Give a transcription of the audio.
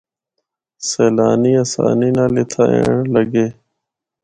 سیلانی آسانی نال اِتھا اینڑ لگے۔